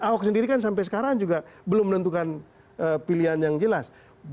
ahok sendiri kan sampai sekarang juga belum menentukan pilihan yang jelas